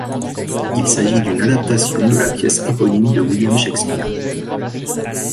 Il s'agit d'une adaptation de la pièce éponyme de William Shakespeare.